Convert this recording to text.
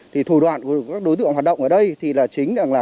thủ đoạn của các đối tượng hoạt động ở đây là chính là